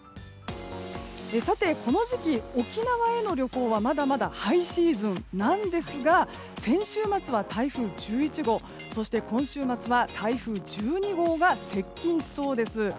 この時期、沖縄への旅行はまだまだハイシーズンなんですが先週末は台風１１号そして今週末は台風１２号が接近しそうです。